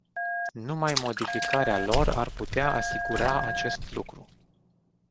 Numai modificarea lor ar putea asigura acest lucru.